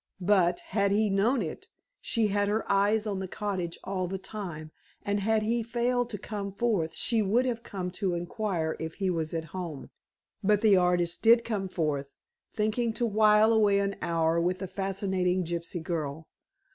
But, had he known it, she had her eyes on the cottage all the time, and had he failed to come forth she would have come to inquire if he was at home. But the artist did come forth, thinking to wile away an hour with the fascinating gypsy girl.